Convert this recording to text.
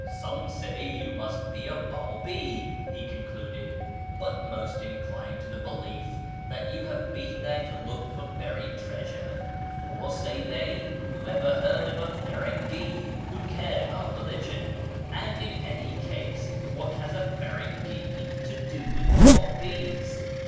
" Some say you must be a Babi," he concluded, " but most incline to the belief that you have been there to look for buried treasure, ' for,' say they, ' who ever heard of a Firangi who cared about religion, and in any case what has a Firangi to do with the Babis